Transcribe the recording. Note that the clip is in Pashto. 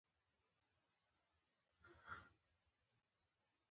رینالډي سلام ور واچاوه او مس بارکلي ته یې وویل چې روغ اوسی.